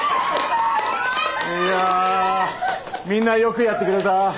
いやみんなよくやってくれた。